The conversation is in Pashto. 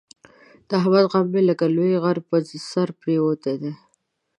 د احمد غم مې لکه لوی غر په سر پرېوتی دی.